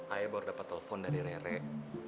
ayah baru dapat telepon dari rerek